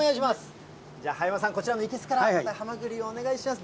じゃあ、葉山さん、こちらの生けすからお願いします。